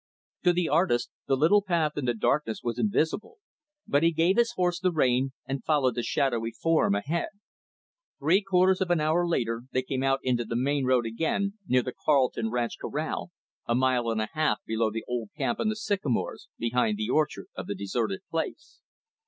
To the artist, the little path in the darkness was invisible, but he gave his horse the rein and followed the shadowy form ahead. Three quarters of an hour later, they came out into the main road, again; near the Carleton ranch corral, a mile and a half below the old camp in the sycamores behind the orchard of the deserted place.